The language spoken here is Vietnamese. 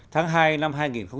tháng hai năm hai nghìn một mươi năm